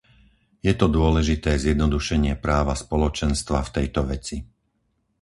Je to dôležité zjednodušenie práva Spoločenstva v tejto veci.